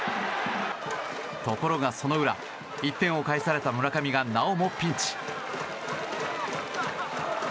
ところが、その裏１点を返された村上がなおもピンチ。